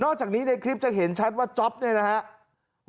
จากนี้ในคลิปจะเห็นชัดว่าจ๊อปเนี่ยนะครับ